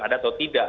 ada atau tidak